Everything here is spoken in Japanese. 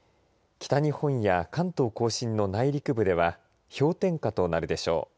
北日本や関東甲信の内陸部では氷点下となるでしょう。